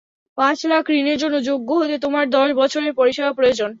পাঁচ লাখ ঋণের জন্য যোগ্য হতে তোমার দশ বছরের পরিষেবা প্রয়োজন।